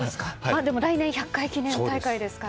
でも来年１００回記念大会ですから。